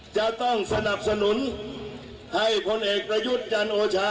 จะต้องสนับสนุนให้พลเอกประยุทธ์จันโอชา